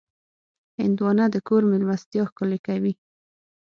هندوانه د کور مېلمستیا ښکلې کوي.